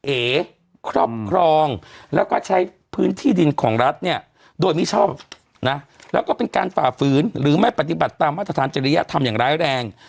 ครอบครองแล้วก็ใช้พื้นที่ดินของรัฐเนี่ยโดยมิชอบนะแล้วก็เป็นการฝ่าฝืนหรือไม่ปฏิบัติตามมาตรฐานจริยธรรมอย่างร้ายแรง